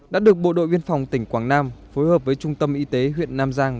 đã được bộ đội biên phòng tỉnh quảng nam phối hợp với trung tâm y tế huyện nam giang